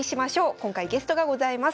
今回ゲストがございます。